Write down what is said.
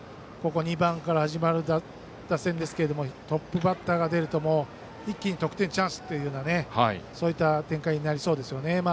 ２番から始まる打線ですけどトップバッターが出ると一気に得点チャンスといったそういった展開になりそうですね。